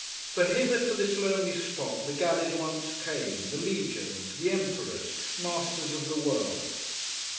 For hither to this lonely spot the galleys once came, the legions, the emperors, masters of the world.